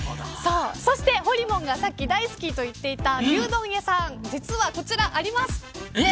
そして、ほりもんがさっき大好きと言っていた牛丼屋さん実は、こちらあります。